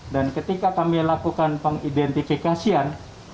dan ketika kami lakukan pengidentifikasian